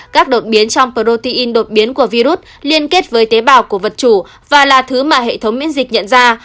các đột biến trong protein đột biến của virus liên kết với tế bào của vật chủ và là thứ mà hệ thống miễn dịch nhận ra